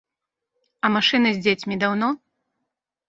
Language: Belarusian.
А машына з дзецьмі даўно?